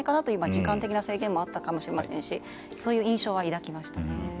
時間的な制限があったかもしれませんしそういう印象は抱きました。